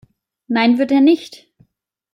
Nein, wird er nicht!